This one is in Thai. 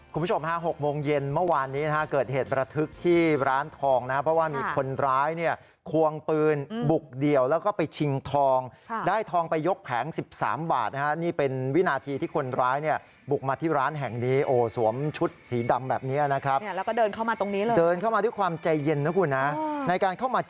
คุณผู้ชมห้าหกโมงเย็นเมื่อวานนี้นะฮะเกิดเหตุประทึกที่ร้านทองนะฮะเพราะว่ามีคนร้ายเนี่ยควงปืนบุกเดียวแล้วก็ไปชิงทองได้ทองไปยกแผงสิบสามบาทนะฮะนี่เป็นวินาทีที่คนร้ายเนี่ยบุกมาที่ร้านแห่งนี้โอ้สวมชุดสีดำแบ